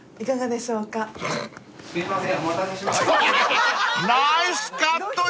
すいません。